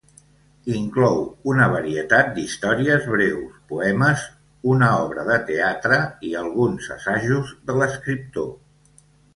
Inclou una varietat d'històries breus, poemes, una obra de teatre i alguns assajos de l'escriptor.